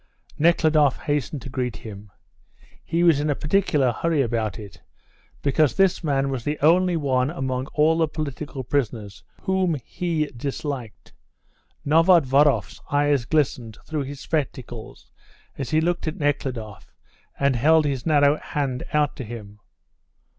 Nekhludoff hastened to greet him. He was in a particular hurry about it, because this man was the only one among all the political prisoners whom he disliked. Novodvoroff's eyes glistened through his spectacles as he looked at Nekhludoff and held his narrow hand out to him.